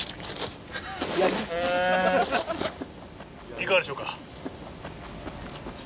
いかがでしょうか？